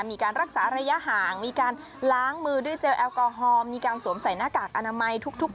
มีการรักษาระยะห่างมีการล้างมือด้วยเจลแอลกอฮอลมีการสวมใส่หน้ากากอนามัยทุก